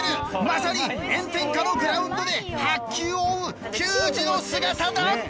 まさに炎天下のグラウンドで白球を追う球児の姿だ！